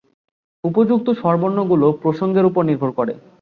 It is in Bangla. উপযুক্ত স্বরবর্ণগুলো প্রসঙ্গের ওপর নির্ভর করে।